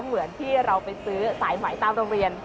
เหมือนที่เราไปซื้อสายไหมตามโรงเรียน